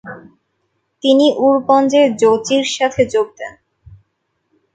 তিনি উরগঞ্জে জোচির সাথে যোগ দেন।